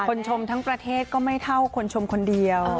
ชมทั้งประเทศก็ไม่เท่าคนชมคนเดียว